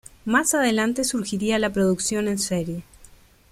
Más adelante surgiría la producción en serie.